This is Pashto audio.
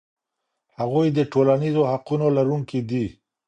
هغوی د ټولنیزو حقونو لرونکي دي.